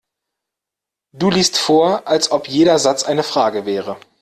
Du liest vor, als ob jeder Satz eine Frage wäre.